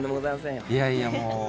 いやいやもう。